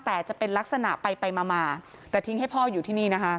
แต่จะเป็นลักษณะไปไปมามาแต่ทิ้งให้พ่ออยู่ที่นี่นะคะ